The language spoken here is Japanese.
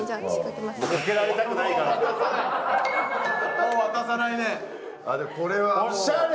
もう渡さないね。